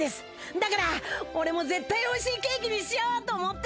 だから俺も絶対おいしいケーキにしようと思って！